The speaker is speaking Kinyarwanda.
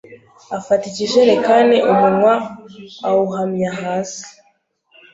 Afata ikijerikani umunwa awuhamya hasi